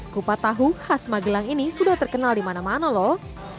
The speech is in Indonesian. kupat tahu khas magelang ini sudah terkenal di mana mana loh